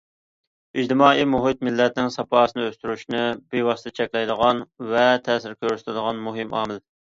ئىجتىمائىي مۇھىت مىللەتنىڭ ساپاسىنى ئۆستۈرۈشنى بىۋاسىتە چەكلەيدىغان ۋە تەسىر كۆرسىتىدىغان مۇھىم ئامىل.